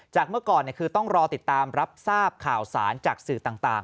เมื่อก่อนคือต้องรอติดตามรับทราบข่าวสารจากสื่อต่าง